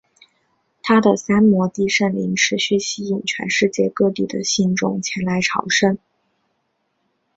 他的三摩地圣陵持续吸引全世界各地的信众前来朝圣。